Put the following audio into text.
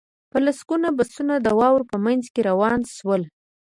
په لسګونه بسونه د واورو په منځ کې روان شول